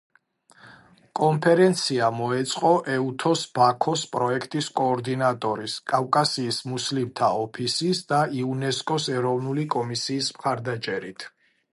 კონფერენცია მოეწყო ეუთოს ბაქოს პროექტის კოორდინატორის, კავკასიის მუსლიმთა ოფისის და იუნესკოს ეროვნული კომისიის მხარდაჭერით.